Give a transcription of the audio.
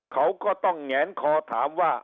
เขาก็ต้องแงนคอถามว่า